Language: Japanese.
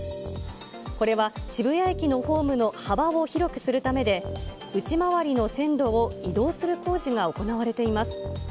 これは渋谷駅のホームの幅を広くするためで、内回りの線路を移動する工事が行われています。